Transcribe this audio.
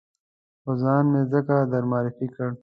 خو ځان مې ځکه در معرفي کړ.